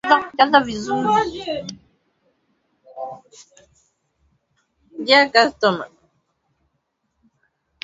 miundo uliyo nayo inawavutia wasikilizaji wako kwa kiasi gani